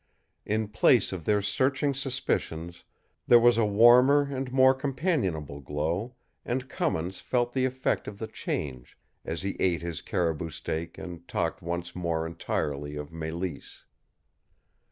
In place of their searching suspicions, there was a warmer and more companionable glow, and Cummins felt the effect of the change as he ate his caribou steak and talked once more entirely of Mélisse.